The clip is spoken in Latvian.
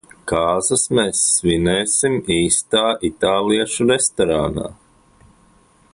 Kāzas mēs svinēsim īstā itāliešu restorānā.